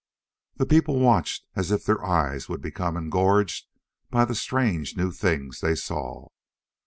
The people watched as if their eyes would become engorged by the strange new things they saw.